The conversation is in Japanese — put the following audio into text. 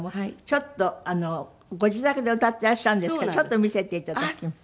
ちょっとご自宅で歌ってらっしゃるんですけどちょっと見せていただきます。